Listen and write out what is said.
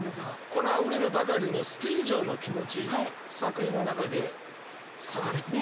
このあふれるばかりの好き以上の気持ち作品の中で書かれてる？